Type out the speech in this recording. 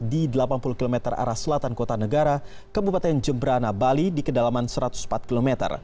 di delapan puluh km arah selatan kota negara kabupaten jemberana bali di kedalaman satu ratus empat km